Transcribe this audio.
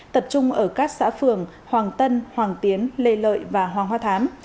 tập trung ở các xã phường hoàng tân hoàng tiến lê lợi và hoàng hoa thám